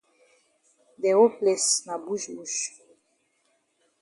De whole place na bush bush.